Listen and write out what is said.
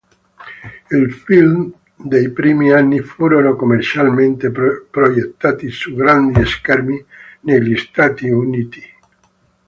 I film dei primi anni furono commercialmente proiettati su grandi schermi negli Stati Uniti.